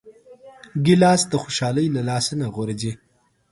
ګیلاس د خوشحالۍ له لاسه نه غورځي.